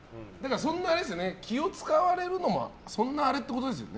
そんなに気を使われるのもそんな、あれってことですよね。